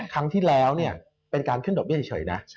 ครั้งที่แล้วเป็นการขึ้นดอกเบี้เฉยนะ